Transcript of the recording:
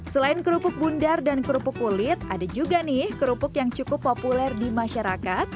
selain kerupuk bundar dan kerupuk kulit ada juga nih kerupuk yang cukup populer di masyarakat